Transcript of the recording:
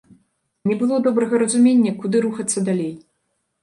Не было добрага разумення, куды рухацца далей.